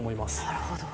なるほど。